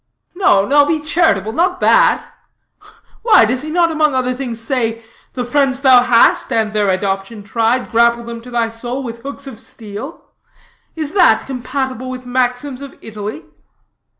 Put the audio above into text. "No, no, be charitable, not that. Why, does he not among other things say: 'The friends thou hast, and their adoption tried, Grapple them to thy soul with hooks of steel'? Is that compatible with maxims of Italy?"